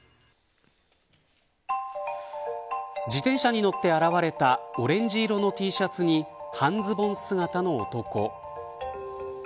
自転車に乗って現れたオレンジ色のＴシャツに半ズボン姿の男。